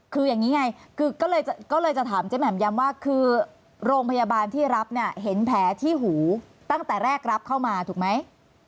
คืออย่างนี้ไงคือก็เลยจะถามเจ๊แหม่มย้ำว่าคือโรงพยาบาลที่รับเนี่ยเห็นแผลที่หูตั้งแต่แรกรับเข้ามาถูกไหม